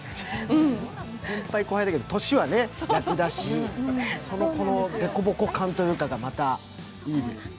先輩後輩だけど年は逆だし、そのでこぼこ感が、またいいですよね。